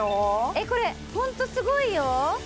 えっこれホントすごいよ？